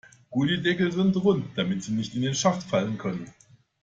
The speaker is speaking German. Gullydeckel sind rund, damit sie nicht in den Schacht fallen können.